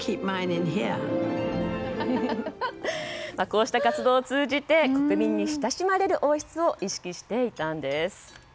こうした活動を通じて国民に親しまれる王室を意識していたんです。